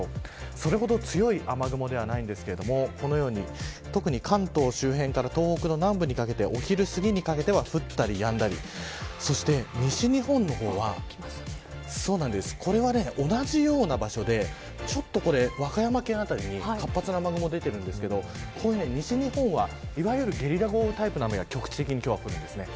それほど強い雨雲ではないですが特に関東周辺から東北の南部にかけてはお昼すぎにかけて降ったりやんだりそして西日本の方は同じような場所で和歌山県辺りに活発な雨雲が出ていますが西日本はゲリラ豪雨タイプの雨が局地的に降ります。